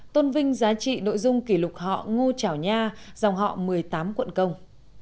tôn vinh giá trị nội dung kỷ lục họ ngô trảo nha dòng họ một mươi tám quận công